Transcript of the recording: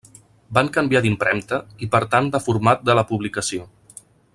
Van canviar d'impremta i per tant de format de la publicació.